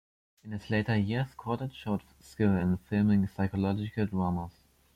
In his later years, Cortez showed skill in filming psychological dramas.